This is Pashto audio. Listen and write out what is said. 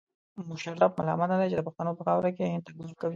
مشرف ملامت نه دی چې د پښتنو په خاوره کې هند ته ګواښ کوي.